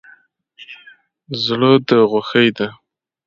زړه ده غوښی دی